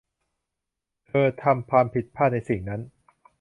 เธอทำความผิดพลาดในสิ่งนั่น